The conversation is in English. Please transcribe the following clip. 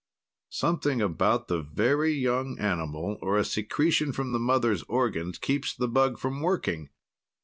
"Something about the very young animal or a secretion from the mother's organs keeps the bug from working."